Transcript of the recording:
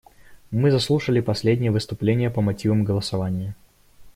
Мы заслушали последнее выступление по мотивам голосования.